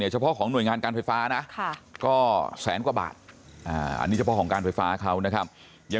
เฉพาะของหน่วยงานการไฟฟ้านะ